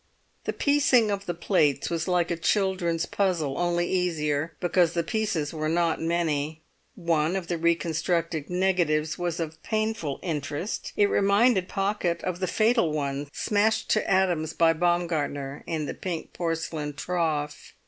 The piecing of the plates was like a children's puzzle, only easier, because the pieces were not many. One of the reconstructed negatives was of painful interest; it reminded Pocket of the fatal one smashed to atoms by Baumgartner in the pink porcelain trough.